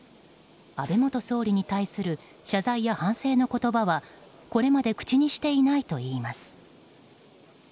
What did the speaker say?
安倍元総理に対する謝罪や反省の言葉はこれまで口にしていないといいます。